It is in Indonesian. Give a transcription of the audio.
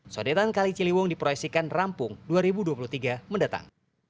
sodetan kali ciliwung diproyeksikan rampung dua ribu dua puluh tiga mendatang